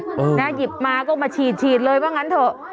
นะหยิบมาก็มาฉีดฉีดเลยว่างั้นเถอะ